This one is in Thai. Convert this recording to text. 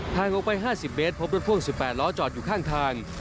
ทางออกไป๕๐เมตรพบรถพ่วง๑๘ล้อจอดอยู่ข้างทาง